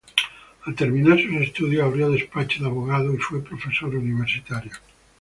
Al terminar sus estudios abrió despacho de abogado y fue profesor universitario.